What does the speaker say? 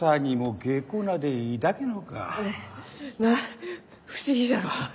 なあ不思議じゃろう？